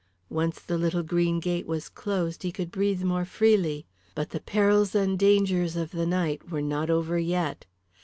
Once the little green gate was closed he could breathe more freely. But the perils and dangers of the night were not over yet.